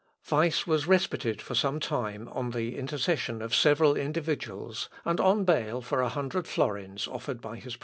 Weiss was respited for some time on the intercession of several individuals, and on bail for a hundred florins offered by his parishioners.